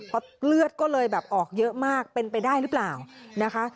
เพราะเลือดก็เลยแบบออกเยอะมากเป็นไปได้หรือเปล่านะคะ